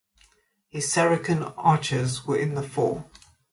His Saracen archers were in the fore.